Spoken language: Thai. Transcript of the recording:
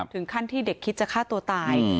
ถึงขั้นที่เด็กคิดจะฆ่าตัวตาย